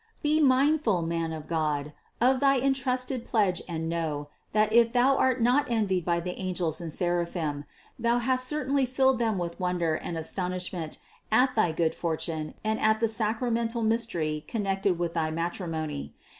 Be mindful, man of God, of thy entrusted pledge THE CONCEPTION 585 and know, that if thou art not envied by the angels and seraphim, thou hast certainly filled them with wonder and astonishment at thy good fortune and at the sacra mental mystery connected with thy matrimony.